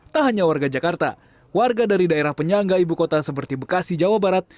tak hanya warga jakarta warga dari daerah penyangga ibu kota seperti bekasi jawa barat